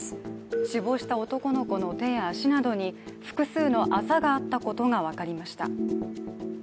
死亡した男の子の手や足などに複数のあざがあったことが分かりました。